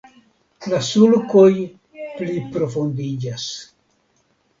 La sulkoj pliprofundiĝas.